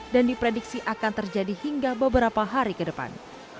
dan diprediksi akan terjadi hingga beberapa hari ke depan